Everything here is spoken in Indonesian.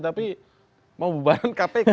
tapi mau bebanan kpk